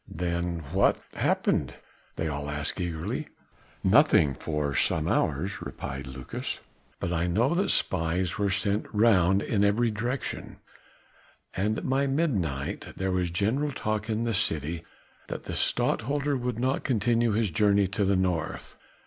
"Then what happened?" they all asked eagerly. "Nothing for some hours," replied Lucas, "but I know that spies were sent round in every direction, and that by midnight there was general talk in the city that the Stadtholder would not continue his journey to the North.